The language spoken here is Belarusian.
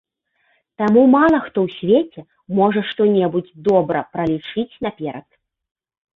Таму мала хто ў свеце можа што-небудзь добра пралічыць наперад.